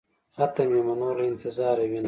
ختم يمه نور له انتظاره وينم.